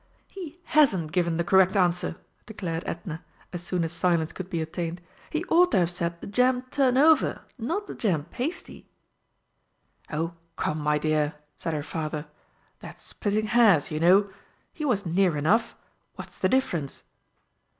"He hasn't given the correct answer!" declared Edna, as soon as silence could be obtained. "He ought to have said 'the jam turnover' not the 'jam pasty'!" "Oh, come, my dear!" said her father. "That's splitting hairs, you know. He was near enough. What's the difference?"